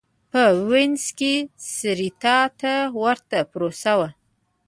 په وینز کې سېراتا ته ورته پروسه وه.